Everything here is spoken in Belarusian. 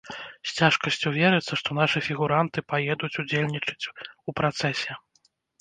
З цяжкасцю верыцца, што нашы фігуранты паедуць удзельнічаць у працэсе.